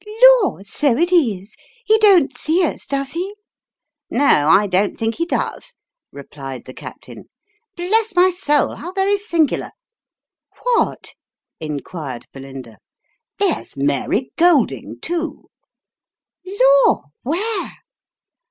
" Lor, so it is ! He don't see us, does he ?"" No, I don't think he does," replied the captain. " Bless my soul, how very singular !" 260 Sketches by Boz. " What ?" inquired Belinda. " There's Mary Golding, too." " Lor ! where